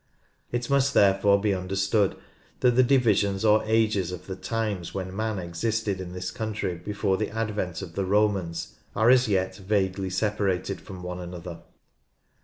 It must therefore be under stood that the divisions or Ages of the times when man existed in this country before the advent of the Romans are as yet vaguely separated from one another.